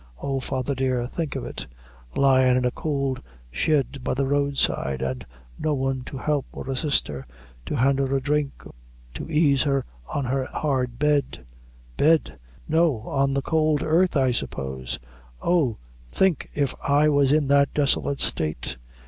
Oh! father dear, think of it lyin' in a could shed by the road side, an' no one to help or assist her to hand her a drink to ease her on her hard bed bed! no on the cold earth I suppose! Oh! think if I was in that desolate state.